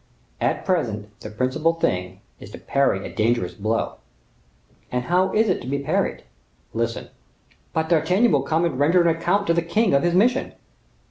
"At present, the principal thing is to parry a dangerous blow." "And how is it to be parried?" "Listen." "But D'Artagnan will come and render an account to the king of his mission."